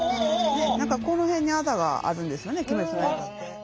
何かこの辺にあざがあるんですよね「鬼滅の刃」って。